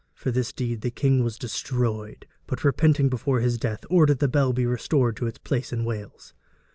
For this deed the king was destroyed, but repenting before his death, ordered the bell to be restored to its place in Wales.